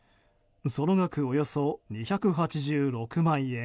その額、およそ２８６万円。